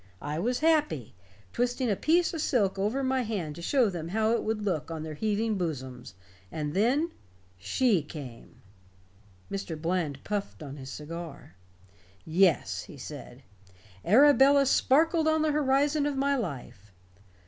I was happy, twisting a piece of silk over my hand to show them how it would look on their heaving bosoms. And then she came." Mr. Bland puffed on his cigar. "Yes," he said, "Arabella sparkled on the horizon of my life.